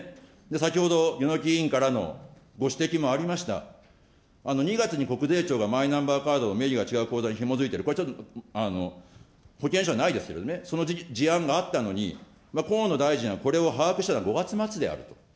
先ほど柚木議員からのご指摘もありました、２月に国税庁がマイナンバーカードを名義が違う口座にひも付いてる、これはちょっと、ほけんじゃないですけどね、その事案があったのに、河野大臣はこれを把握してたの５月末であると。